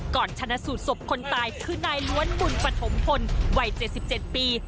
ก่อนชนะสูตรศพคนตายคือนายล้วนบุญปฐมภลวัยเจสสิบเจ็ดปี